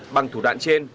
bằng thủ đoạn trên